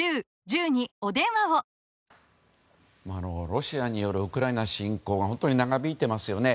ロシアによるウクライナ侵攻が本当に長引いていますよね。